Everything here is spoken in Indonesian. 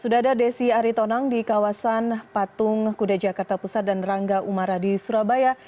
sudah ada desi aritonang di kawasan patung kude jakarta pusat dan rangga umaradi surabaya